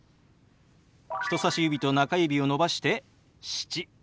人さし指と中指を伸ばして「７」。